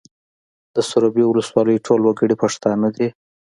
د سروبي ولسوالۍ ټول وګړي پښتانه دي